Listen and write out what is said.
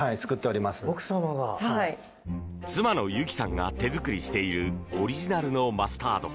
妻の有紀さんが手作りしているオリジナルのマスタード。